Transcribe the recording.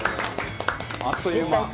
あっという間。